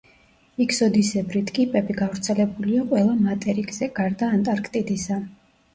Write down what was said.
იქსოდისებრი ტკიპები გავრცელებულია ყველა მატერიკზე, გარდა ანტარქტიდისა.